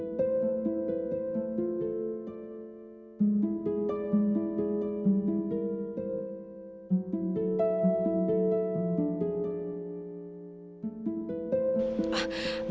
iya tante emang kenapa